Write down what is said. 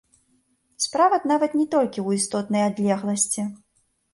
Справа нават не толькі ў істотнай адлегласці.